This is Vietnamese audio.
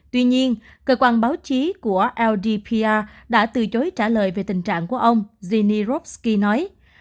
tuy nhiên cơ quan báo chí của ldpr đã từ chối trả lời về tình trạng của ông zini rovsky nói